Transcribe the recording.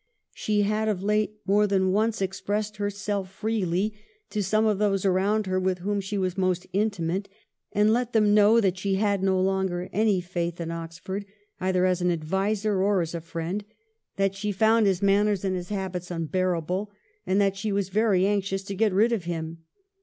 She had of late more than once expressed herself freely to some of those around her with whom she was most intimate, and let them know that she had no longer any faith in Oxford, either as an adviser or as a friend ; that she found his manners and his habits unbearable, and that she was very anxious to get rid of him.